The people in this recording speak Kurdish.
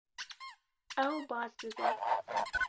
Ew baz dide.